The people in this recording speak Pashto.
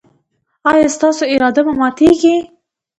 ایا ستاسو اراده به ماتیږي؟